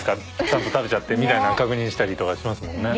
ちゃんと食べちゃってみたいな確認したりとかしますもんね。